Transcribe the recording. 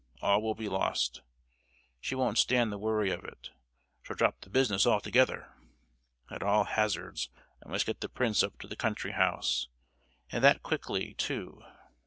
—all will be lost! She won't stand the worry of it—she'll drop the business altogether!—At all hazards, I must get the prince to the country house, and that quickly, too!